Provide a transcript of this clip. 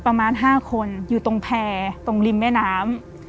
ประมาณ๕คนอยู่ตรงแพร่ตรงริมแม่น้ำ